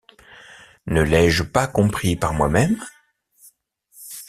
Ne l’ai-je pas compris par moi-même ?